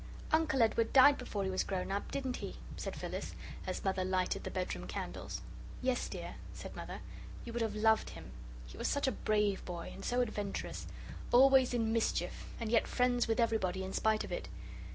"Uncle Edward died before he was grown up, didn't he?" said Phyllis, as Mother lighted the bedroom candles. "Yes, dear," said Mother, "you would have loved him. He was such a brave boy, and so adventurous. Always in mischief, and yet friends with everybody in spite of it.